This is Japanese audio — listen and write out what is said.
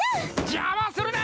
邪魔するな！